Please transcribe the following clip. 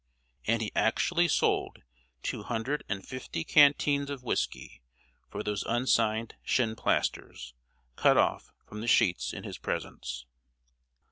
And he actually sold two hundred and fifty canteens of whisky for those unsigned shinplasters, cut off from the sheets in his presence!